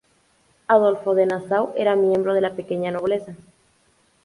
Adolfo de Nassau era miembro de la pequeña nobleza.